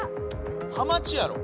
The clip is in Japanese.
ハマチやろ。